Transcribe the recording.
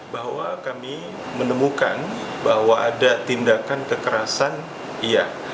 bahwa kami menemukan bahwa ada tindakan kekerasan iya